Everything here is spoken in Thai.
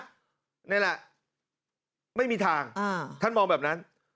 นี่แหละไม่มีทางท่านมองแบบนั้น